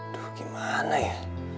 duh gimana ya